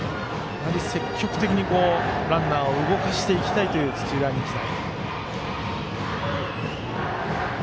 積極的にランナーを動かしていきたいという土浦日大。